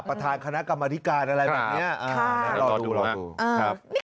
ประธานคณะกรรมธิการอะไรแบบนี้รอดูรอดูครับ